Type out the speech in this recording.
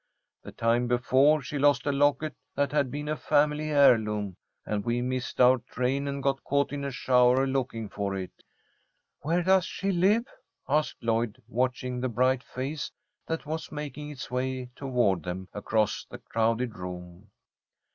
The time before, she lost a locket that had been a family heirloom, and we missed our train and got caught in a shower looking for it." "Where does she live?" asked Lloyd, watching the bright face that was making its way toward them across the crowded room.